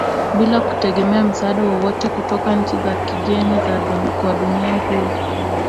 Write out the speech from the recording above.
Bila kutegemea msaada wowote kutoka nchi za kigeni kwa muda huo